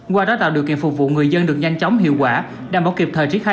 qua đó tạo điều kiện phục vụ người dân được nhanh chóng hiệu quả đảm bảo kịp thời triển khai